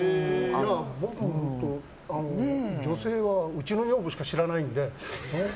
僕も、女性はうちの女房しかしらないので。